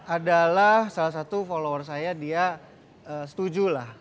adalah salah satu follower saya dia setuju lah